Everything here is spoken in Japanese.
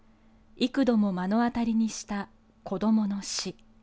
幾度も目の当たりにした子どもの死。